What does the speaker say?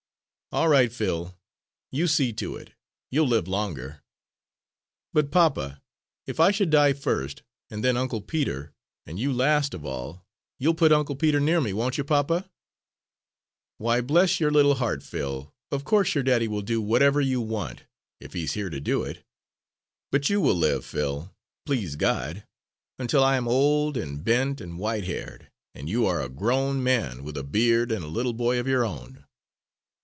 "All right, Phil. You see to it; you'll live longer." "But, papa, if I should die first, and then Uncle Peter, and you last of all, you'll put Uncle Peter near me, won't you, papa?" "Why, bless your little heart, Phil, of course your daddy will do whatever you want, if he's here to do it. But you'll live, Phil, please God, until I am old and bent and white haired, and you are a grown man, with a beard, and a little boy of your own."